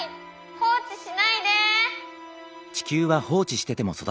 放置しないで！